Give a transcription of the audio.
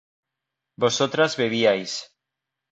vosotras bebíais